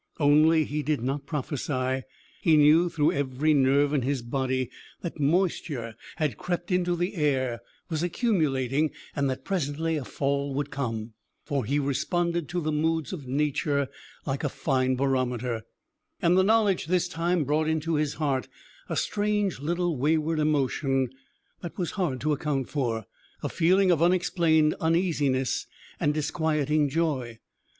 Only he did not prophesy. He knew through every nerve in his body that moisture had crept into the air, was accumulating, and that presently a fall would come. For he responded to the moods of Nature like a fine barometer. And the knowledge, this time, brought into his heart a strange little wayward emotion that was hard to account for a feeling of unexplained uneasiness and disquieting joy.